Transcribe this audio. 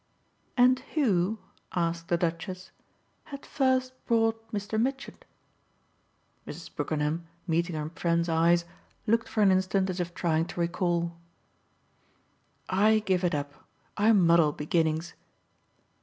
"And who," asked the Duchess, "had first brought Mr. Mitchett?" Mrs. Brookenham, meeting her friend's eyes, looked for an instant as if trying to recall. "I give it up. I muddle beginnings."